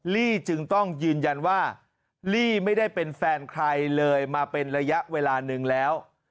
ลี่จึงต้องยืนยันว่าลี่ไม่ได้เป็นแฟนใครเลยมาเป็นระยะเวลาหนึ่งแล้ว